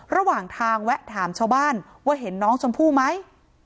ระหว่างทางแวะถามชาวบ้านว่าเห็นน้องชมพู่ไหม